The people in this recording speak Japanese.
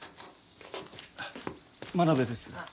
真鍋です。